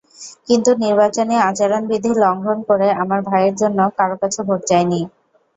কিন্তু নির্বাচনী আচরণবিধি লঙ্ঘন করে আমার ভাইয়ের জন্য কারও কাছে ভোট চাইনি।